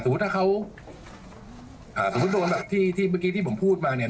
สมมุติถ้าเขาสมมุติโดนแบบที่ผมพูดมาเนี่ย